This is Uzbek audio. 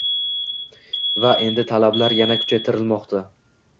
Va endi talablar yana kuchaytirilmoqda